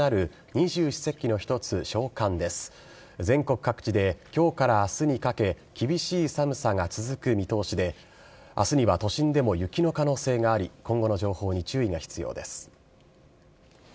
全国各地できょうからあすにかけ、厳しい寒さが続く見通しで、あすには都心でも雪の可能性があり、今後の情報に注意が必要です。